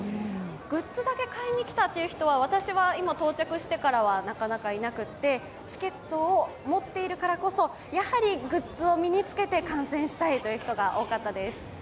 グッズだけ買いに来たという人は、私が今、到着してからはなかなかいなくて、チケットを持っているからこそ、やはりグッズを身につけて観戦したいという人が多かったです。